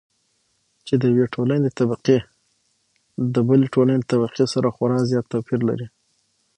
چې د يوې ټولنې طبقې د بلې ټولنې طبقې سره خورا زيات توپېر لري.